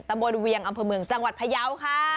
ตำบลเวียงอำเภอเมืองจังหวัดพยาวค่ะ